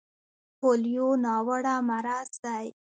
پولیو ناوړه مرض دی.